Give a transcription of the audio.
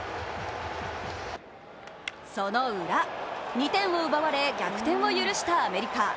そのウラ、２点を奪われ逆転を許したアメリカ。